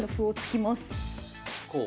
こう？